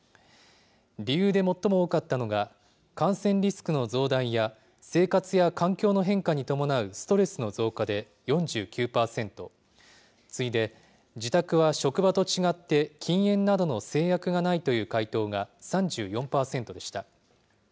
理由で最も多かったのが、感染リスクの増大や生活や環境の変化に伴うストレスの増加で４９％、次いで、自宅は職場と違って禁煙などの制約がないという回答が３４％でした。